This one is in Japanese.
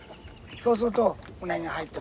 そうするとウナギが入ってくる。